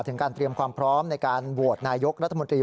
ถึงการเตรียมความพร้อมในการโหวตนายกรัฐมนตรี